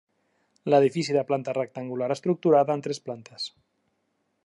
L'edifici de planta rectangular estructurada en tres plantes.